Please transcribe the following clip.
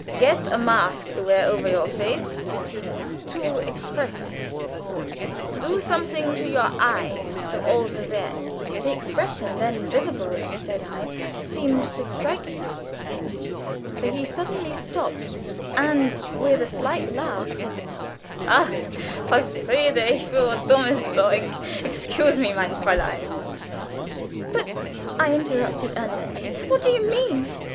Get a mask to wear over your face, which is too expressive; do something to your eyes to alter their " The expression then visible in the said eyes seemed to strike him, for he suddenly stopped, and with a slight laugh, said: "Ach, was rede ich für dummes Zeug! Excuse me, mein Fräulein." "But," I interrupted, earnestly, "what do you mean?